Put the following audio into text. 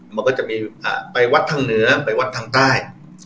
มันก็จะมีไปวัดทางเหนือไปวัดทางใต้